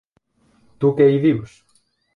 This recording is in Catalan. Tu què hi dius?